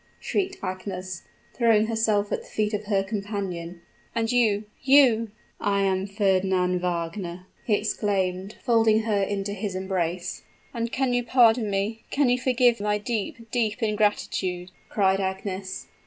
shrieked Agnes, throwing herself at the feet of her companion: "and you you " "I am Fernand Wagner!" he exclaimed, folding her in his embrace. "And can you pardon me, can you forgive my deep deep ingratitude?" cried Agnes.